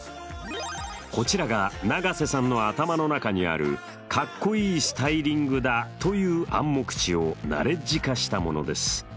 こちらが永瀬さんの頭の中にある「かっこいいスタイリングだ」という暗黙知をナレッジ化したものです。